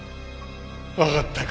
わかったか。